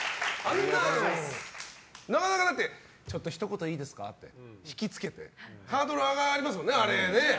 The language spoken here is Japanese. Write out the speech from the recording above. なかなかだってちょっとひと言いいですかってひきつけてハードルが上がりますもんね。